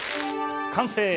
完成！